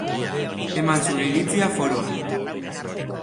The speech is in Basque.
Eman zure iritzia foroan.